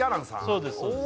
そうです